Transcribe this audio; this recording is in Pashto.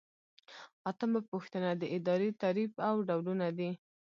اتمه پوښتنه د ادارې تعریف او ډولونه دي.